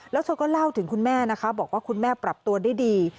แล้วเธอก็เล่าถึงคุณแม่นะคะบอกว่าคุณแม่ปรับตัวได้ดี